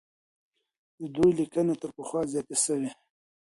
د دوی ليکنې تر پخوا زياتې سوې.